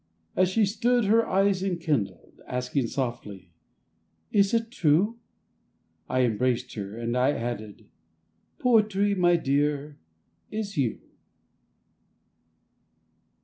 As she stood her eyes enkindled, Asking softly, "Is it true?" I embraced her and I added:— "Poetry, my dear, is you."